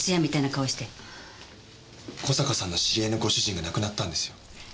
小坂さんの知り合いのご主人が亡くなったんですよ。